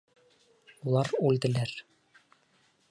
Улар үлделәр.